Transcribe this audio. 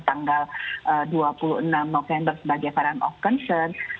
tanggal dua puluh enam november sebagai variant of concern